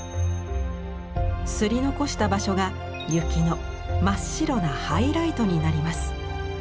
摺り残した場所が雪の真っ白なハイライトになります。